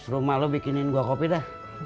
rumah lo bikinin gue kopi dah